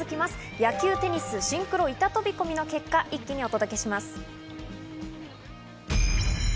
野球、テニス、シンクロ、板飛び込みの結果、一気にお届けします。